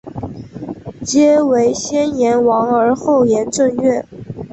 曷为先言王而后言正月？